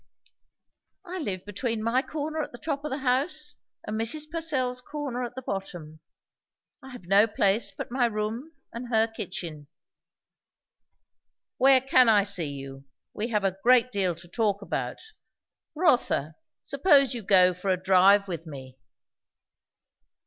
"I live between my corner at the top of the house, and Mrs. Purcell's corner at the bottom. I have no place but my room and her kitchen." "Where can I see you? We have a great deal to talk about. Rotha, suppose you go for a drive with me?"